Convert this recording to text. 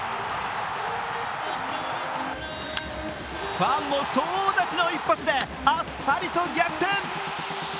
ファンも総立ちの一発であっさりと逆転。